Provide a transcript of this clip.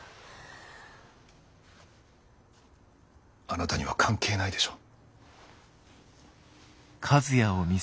あなたには関係ないでしょ。